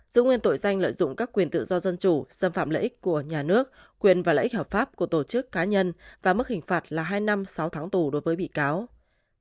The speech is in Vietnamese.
giữ nguyên bản án sơ thẩm về tội danh lợi dụng các quyền tự do dân chủ xâm phạm lợi ích của nhà nước quyền lợi ích hợp pháp của tổ chức cá nhân và hình phạt hai năm sáu tháng tù đối với các bị cáo này